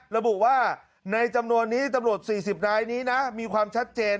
ระบุว่าในจำนวนนี้ตำรวจ๔๐รายนี้นะมีความชัดเจน